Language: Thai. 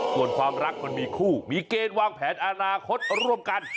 ส่วนความรักมันมีคู่มีเกณฑ์วางแผนอนาคตร่วมกัน